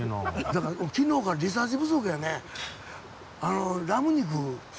だから昨日からリサーチ不足よね。